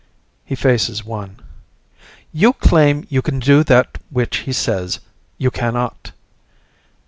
He faces one. "You claim you can do that which he says you can not."